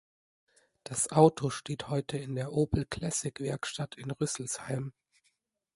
Das Auto steht heute in der Opel Classic Werkstatt in Rüsselsheim.